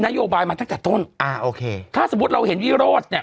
โยบายมาตั้งแต่ต้นอ่าโอเคถ้าสมมุติเราเห็นวิโรธเนี่ย